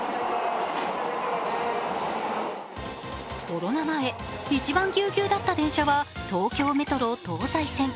コロナ前、一番ギュウギュウだった電車は東京メトロ東西線。